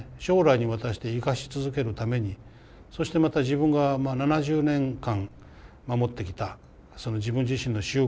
将来に渡して生かし続けるためにそしてまた自分が７０年間守ってきたその自分自身の習慣